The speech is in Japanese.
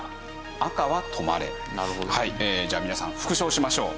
じゃあ皆さん復唱しましょう。